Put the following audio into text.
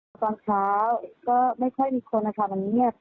ตอนกลอมช้าก็ไม่ค่อยมีคนมาเงียบ